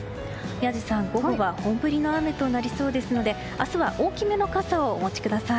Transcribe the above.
宮司さん、午後は本降りの雨となりそうですので明日は大きめの傘をお持ちください。